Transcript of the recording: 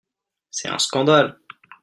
C’est un scandale